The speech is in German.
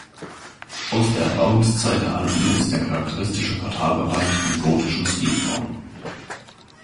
Aus der Erbauungszeit erhalten ist der charakteristische Portalbereich in gotischen Stilformen.